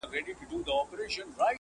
انسانانو اوس له ما دي لاس پرېولي.!